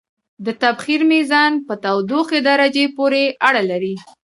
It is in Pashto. د تبخیر میزان په تودوخې درجې پورې اړه لري.